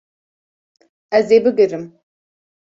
Ez ê bigirim